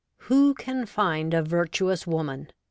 'Who can find a virtuous woman?'